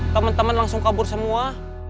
teman teman langsung kabur semua